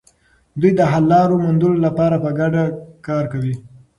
دوی د حل لارو موندلو لپاره په ګډه کار کوي.